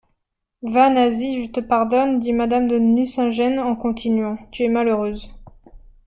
Va, Nasie, je te pardonne, dit madame de Nucingen en continuant, tu es malheureuse.